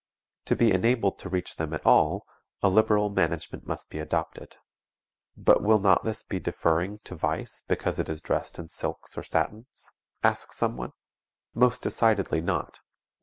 To be enabled to reach them at all, a liberal management must be adopted. But will not this be deferring to vice because it is dressed in silks or satins? asks some one. Most decidedly not.